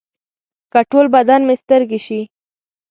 که ټول بدن مې سترګې شي.